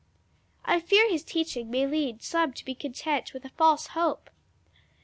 I fear his teaching may lead some to be content with a false hope.